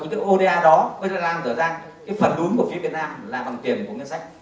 cái oda đó mới ra ra cái phần đúng của phía việt nam là bằng tiền của ngân sách